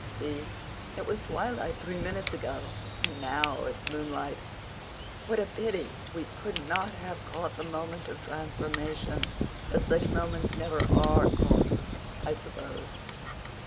See, it was twilight three minutes ago and now it's moonlight. What a pity we couldn't have caught the moment of transformation. But such moments never are caught, I suppose."